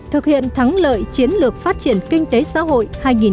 thực hiện thắng lợi chiến lược phát triển kinh tế xã hội hai nghìn một hai nghìn ba mươi